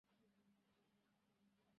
তিনি জাহাজ পরিত্যাগ করেন।